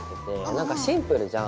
なんかシンプルじゃん？